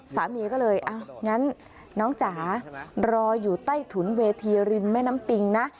สามีก็เลยอ้าวงั้นน้องจ๋ารออยู่ใต้ถุนเวทีริมแม่น้ำปิงนะ